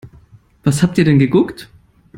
Was habt ihr denn geguckt?